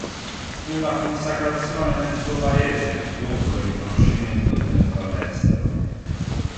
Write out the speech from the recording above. Fu la consacrazione nel suo paese, dopo il riconoscimento ottenuto all'estero.